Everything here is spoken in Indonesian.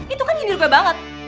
itu kan nyindir gue banget